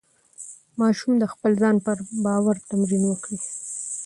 ماشوم د خپل ځان پر باور تمرین وکړي.